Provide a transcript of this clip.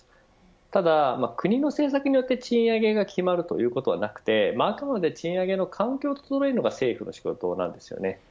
ただ、国の政策によって賃上げが決まるということではなくてあくまで賃上げの環境を整えるのが政府の仕事なんですよね。